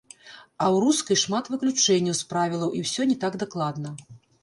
А ў рускай шмат выключэнняў з правілаў і ўсё не так дакладна.